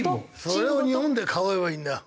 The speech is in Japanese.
それを日本で買えばいいんだ。